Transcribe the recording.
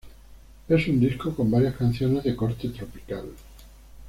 Es un disco con varias canciones de corte tropical.